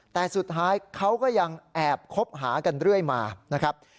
แต่สุดท้ายเขาก็ยังแอบคบหากันเรื่อยมานะครับ